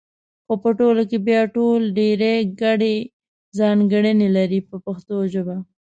خو په ټول کې بیا ټول ډېرې ګډې ځانګړنې لري په پښتو ژبه.